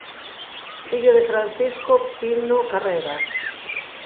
Fillo de Francisco Pino Carrera.